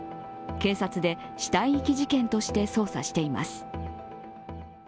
警察で死体遺棄事件として捜査しています。